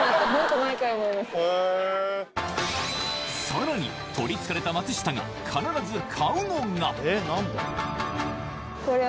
さらに取り憑かれた松下が必ず買うのがこれ？